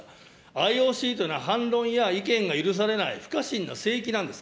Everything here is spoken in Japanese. ＩＯＣというのは反論や意見が許されない、不可侵な聖域なんです。